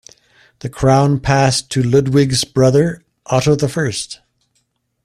The crown passed to Ludwig's brother Otto the First.